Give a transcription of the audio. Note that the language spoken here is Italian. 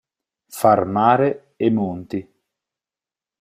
Far mare e monti.